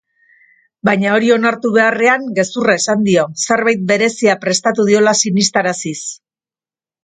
Baina hori onartu beharrean gezurra esan dio, zerbait berezia prestatu diola sinistaraziz.